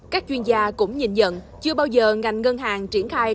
các chuyên gia cũng nhìn nhận chưa bao giờ ngành ngân hàng triển khai